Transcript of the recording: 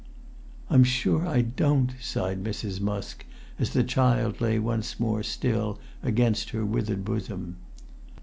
"I'm sure I don't," sighed Mrs. Musk, as the child lay once more still against her withered bosom.